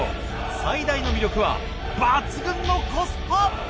最大の魅力は抜群のコスパ！